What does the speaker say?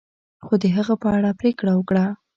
خو د هغه په اړه پریکړه وکړه.